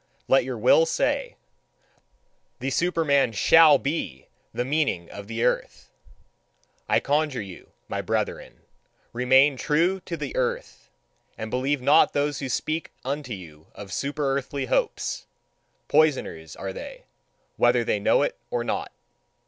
Let your will say: The Superman SHALL BE the meaning of the earth! I conjure you, my brethren, REMAIN TRUE TO THE EARTH, and believe not those who speak unto you of superearthly hopes! Poisoners are they, whether they know it or not.